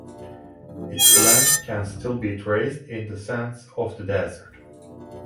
Its plan can still be traced in the sands of the desert.